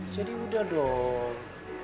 jadi udah dong